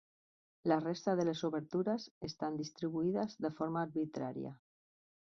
La resta de les obertures estan distribuïdes de forma arbitrària.